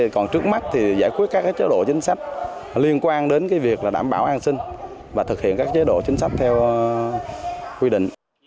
còn trước mắt thì giải quyết các chế độ chính sách liên quan đến việc đảm bảo an sinh và thực hiện các chế độ chính sách theo quy định